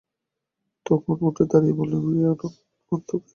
তখনই উঠে দাঁড়িয়ে বললে, ফিরিয়ে আনুন অন্তুকে।